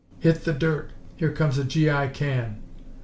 "Hit the dirt! Here comes a G.I. can."